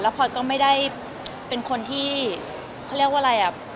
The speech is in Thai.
พอยก็ไม่ได้เป็นคนที่เขาเรียกว่าอะไรอ่ะ